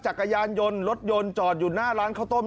จักรยานยนต์รถยนต์จอดอยู่หน้าร้านข้าวต้ม